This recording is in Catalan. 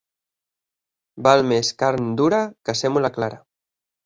Val més carn dura que sèmola clara.